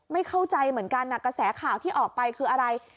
ไม่เข้าใจเหมือนกันกระแสข่าวที่ออกไปคืออะไร